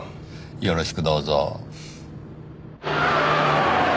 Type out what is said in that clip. よろしくどうぞ。